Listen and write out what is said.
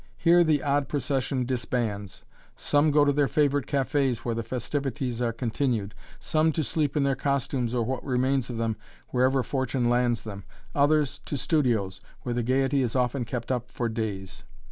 Here the odd procession disbands; some go to their favorite cafés where the festivities are continued some to sleep in their costumes or what remains of them, wherever fortune lands them others to studios, where the gaiety is often kept up for days.